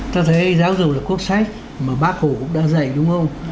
ta thấy giáo dục là quốc sách mà bác hủ cũng đã dạy đúng không